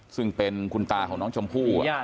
ซึ่งเป็นคุณตาของน้องชมพู่